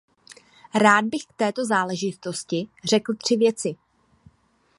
Rád bych k této záležitosti řekl tři věci.